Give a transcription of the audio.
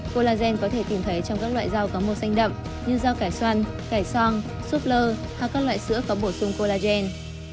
collagen có thể tìm thấy trong các loại rau có mô xanh đậm như rau cải xoăn cải song súp lơ hoặc các loại sữa có bổ sung collagen